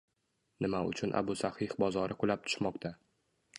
Nima uchun Abu Sahih bozori qulab tushmoqda?